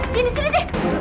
sini sini deh